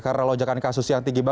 karena lojakan kasus yang tinggi banyak